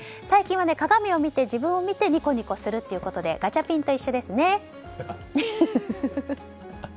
最近は鏡を見て、自分を見てニコニコするってことでガチャピンと一緒ですね！